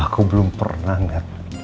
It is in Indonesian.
aku belum pernah ngeliat